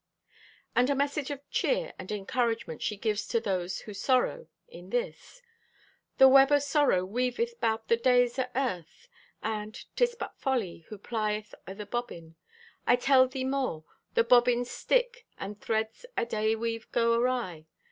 And a message of cheer and encouragement she gives to those who sorrow, in this: "The web o' sorrow weaveth 'bout the days o' earth, and 'tis but Folly who plyeth o' the bobbin. I tell thee more, the bobbins stick and threads o' day weave go awry.